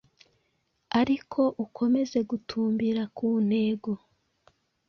ariko ukomeza gutumbira ku ntego,